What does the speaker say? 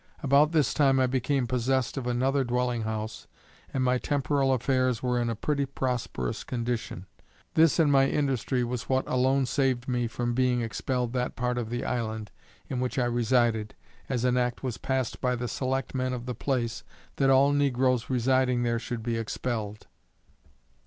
About this time, I became possessed of another dwelling house, and my temporal affairs were in a pretty prosperous condition. This and my industry was what alone saved me from being expelled that part of the island in which I resided, as an act was passed by the select men of the place, that all negroes residing there should be expelled.